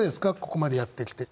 ここまでやってきて。